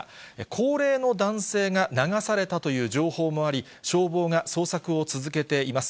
高齢の男性が流されたという情報もあり、消防が捜索を続けています。